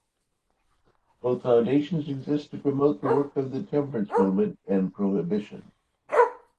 Both foundations exist to promote the work of the temperance movement and prohibition.